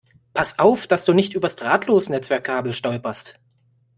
Pass auf, dass du nicht übers Drahtlosnetzwerk-Kabel stolperst!